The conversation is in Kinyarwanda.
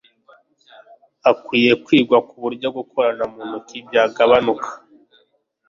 Hakwiye kwigwa ku buryo gukorana mu ntoki byagabanuka